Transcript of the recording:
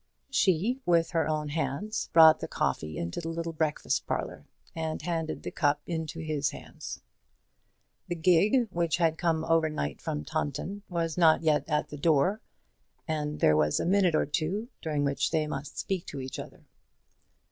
She, with her own hands, brought the coffee into the little breakfast parlour, and handed the cup into his hands. The gig, which had come overnight from Taunton, was not yet at the door, and there was a minute or two during which they must speak to each other.